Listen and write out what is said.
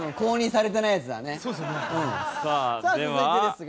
さあ続いてですが。